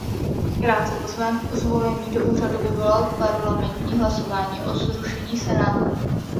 Krátce po svém zvolení do úřadu vyvolal parlamentní hlasování o zrušení senátu.